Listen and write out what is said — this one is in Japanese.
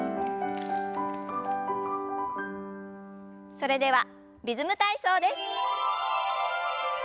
それでは「リズム体操」です。